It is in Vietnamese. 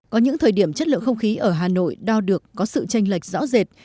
có những thời điểm chất lượng không khí ở hà nội đo được có sự tranh lệch rõ rệt